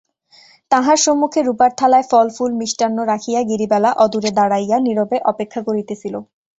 তাঁহার সম্মুখে রুপার থালায় ফলমূলমিষ্টান্ন রাখিয়া গিরিবালা অদূরে দাঁড়াইয়া নীরবে অপেক্ষা করিতেছিল।